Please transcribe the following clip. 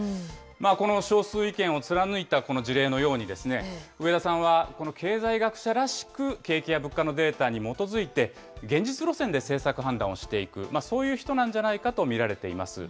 この少数意見を貫いたこの事例のように、植田さんはこの経済学者らしく景気や物価のデータに基づいて、現実路線で政策判断をしていく、そういう人なんじゃないかと見られています。